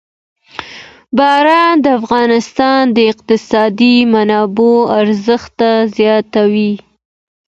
باران د افغانستان د اقتصادي منابعو ارزښت زیاتوي.